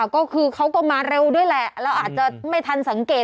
ก็คือเขาก็มาเร็วด้วยแหละแล้วอาจจะไม่ทันสังเกต